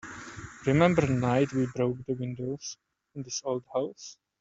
Remember the night we broke the windows in this old house?